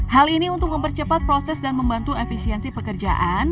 hal ini untuk mempercepat proses dan membantu efisiensi pekerjaan